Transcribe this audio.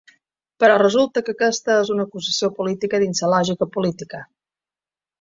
Però resulta que aquesta és una acusació política dins la lògica política.